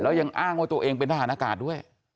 แล้วยังอ้างว่าตัวเองเป็นทหารอากาศด้วย